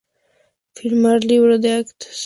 Firmar Libro de Actas.